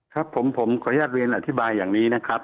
ครับผมขออนุญาตเรียนอธิบายอย่างนี้นะครับ